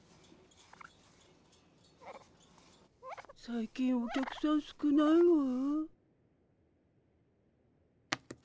最近お客さん少ないわ。